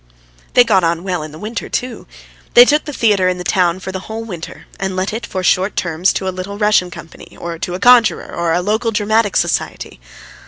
They got on well in the winter too. They took the theatre in the town for the whole winter, and let it for short terms to a Little Russian company, or to a conjurer, or to a local dramatic society.